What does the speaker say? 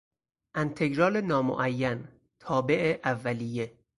انتگرال نامعین، تابع اولیه